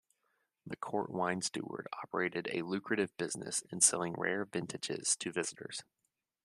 The court wine steward operated a lucrative business in selling rare vintages to visitors.